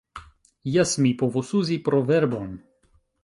Jes! Mi povus uzi proverbon!